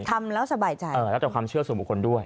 ทำแล้วสบายใจและเชื่อสมบูรณ์ของสวมบุคคลด้วย